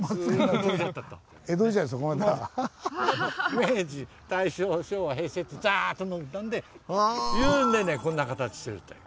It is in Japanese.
明治大正昭和平成ってザーッと伸びたんでっていうんでねこんな形してるという。